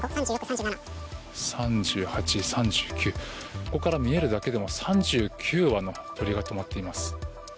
ここから見えるだけでも３９羽の鳥が止まっています。